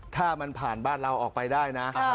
ถ้ามันผ่านบ้านเราออกไปได้นะ